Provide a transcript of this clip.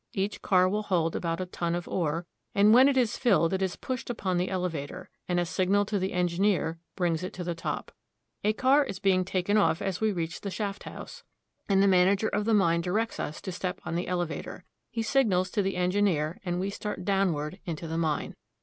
Each car will hold about a ton of ore, and when it is filled it is pushed upon the elevator, and a signal to the engineer brings it to the top. A car is being taken off as we reach the shaft house, and the manager of the mine directs us to step on the elevator. He signals to the engineer, and we start downward into the mine.